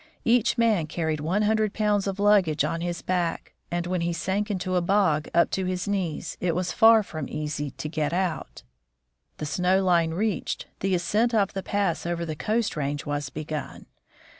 Each man carried one hundred pounds of luggage on his back, and when he sank into a bog up to his knees, it was far from easy to get out. The snow line reached, the ascent of the pass over the Coast range was begun.